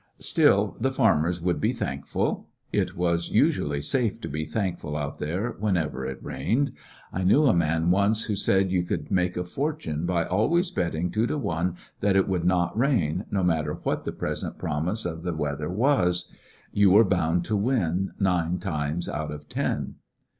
Still, the farmers would be thankful. It was usually safe to be thankful out there whenever it rained. I knew a man once who said you could make a fortune by always bet ting two to one that it would not rain, no matter what the present promise of the weather was. You were bound to win nine times out of ten.